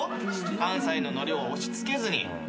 関西のノリを押し付けずに。